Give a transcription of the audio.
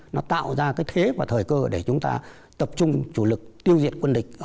nó tạo ra cái thế và thời cơ để chúng ta tập trung chủ lực tiêu diệt quân địch